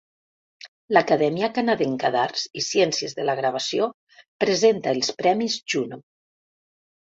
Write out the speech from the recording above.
L'Acadèmia Canadenca d'Arts i Ciències de la Gravació presenta els premis Juno.